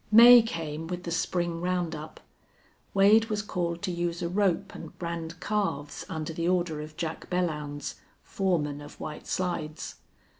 May came with the spring round up. Wade was called to use a rope and brand calves under the order of Jack Belllounds, foreman of White Slides.